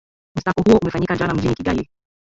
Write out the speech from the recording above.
msako huo umefanyika jana mjini kigali